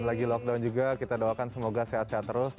lagi lockdown juga kita doakan semoga sehat sehat terus